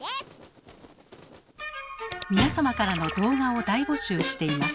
皆様からの動画を大募集しています。